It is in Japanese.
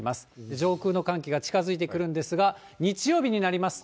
上空の寒気が近づいてくるんですが、日曜日になりますと。